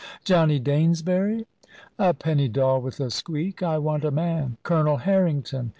"Johnny Danesbury!" "A penny doll with a squeak. I want a man." "Colonel Harrington!"